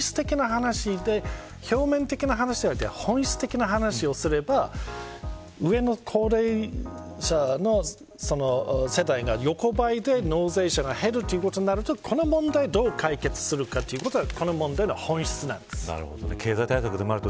なので本質的な話で表面的な話ではなく本質的な話をすれば上の高齢者の世代が横ばいで納税者が減るということになるとこの問題をどう解決すればいいかというのが経済対策でもあると。